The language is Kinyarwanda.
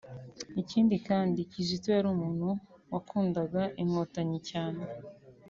ikindi kandi Kizito yari umuntu wakundaga inkotanyi cyane